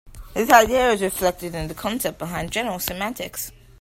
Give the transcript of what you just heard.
This idea is also reflected in the concept behind general semantics.